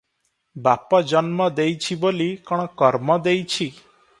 ବାପ ଜନ୍ମ ଦେଇଛି ବୋଲି କଣ କର୍ମ ଦେଇଛି?"